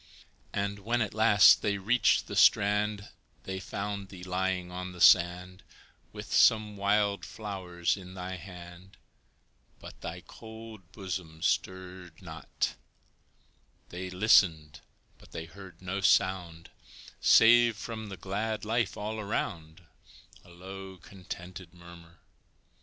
And, when at last they reached the strand, They found thee lying on the sand With some wild flowers in thy hand, But thy cold bosom stirred not; They listened, but they heard no sound Save from the glad life all around A low, contented murmur.